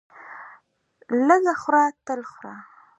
لږ خوره تل خوره!